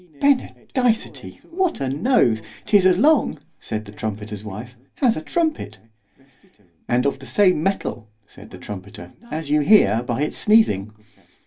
Benedicity!——What a nose! 'tis as long, said the trumpeter's wife, as a trumpet. And of the same metal said the trumpeter, as you hear by its sneezing.